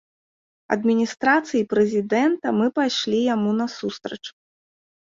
Адміністрацыі прэзідэнта мы пайшлі яму насустрач.